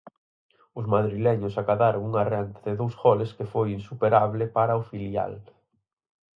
Os madrileños acadaron unha renda de dous goles que foi insuperable para o filial.